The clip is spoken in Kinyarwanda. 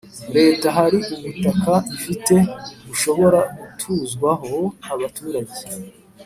leta hari ubutaka ifite bushobora gutuzwaho abaturage